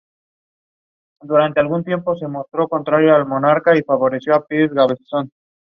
Sería necesario para lograr los resultados ideales un programa de cría más bien extensa.